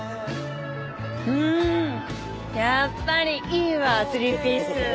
うんやっぱりいいわスリーピース。